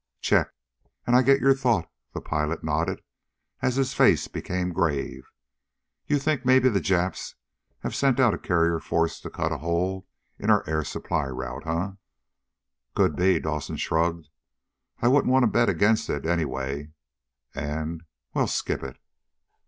"Check, and I get your thought," the pilot nodded as his face became grave. "You think maybe the Japs have sent out a carrier force to cut a hole in our air supply route, huh?" "Could be," Dawson shrugged. "I wouldn't want to bet against it, anyway. And well, skip it."